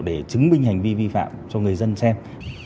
để chứng minh hành vi vi phạm cho người dân xem